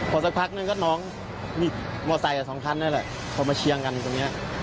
พอสักพักนึงก็น้องมีมอไซส์อย่างสองคันนี่แหละเขามาเชียงกันตรงเนี้ย